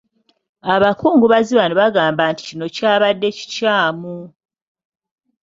Abakungubazi bano bagamba nti kino kyabadde kikyamu.